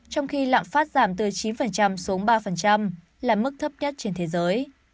trong khi lạm phát giảm từ chín xuống ba là mức thấp nhất trên thế giới